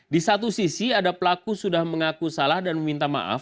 di satu sisi ada pelaku sudah mengaku salah dan meminta maaf